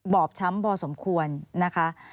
บอบช้ำพอสมควรนะคะ